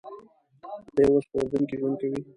دوی اوس په اردن کې ژوند کوي.